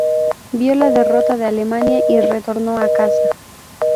Vio la derrota de Alemania y retornó a casa.